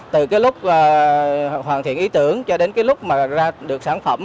từ cái lúc hoàn thiện ý tưởng cho đến cái lúc mà ra được sản phẩm